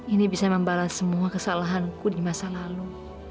ini bisa membalas semua kesalahanku di masa lalu